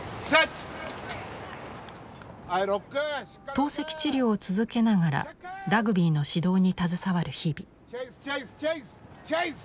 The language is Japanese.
透析治療を続けながらラグビーの指導に携わる日々。